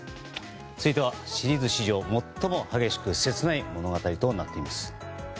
続いては、シリーズ史上最も激しく切ない物語となっています。